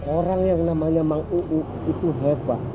orang yang namanya mang uu itu hepa